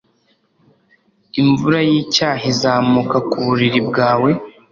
imvura yicyaha izamuka ku buriri bwawe